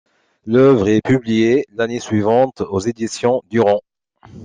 L'œuvre est publiée l'année suivante aux éditions Durand.